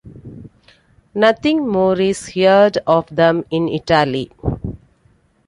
Nothing more is heard of them in Italy.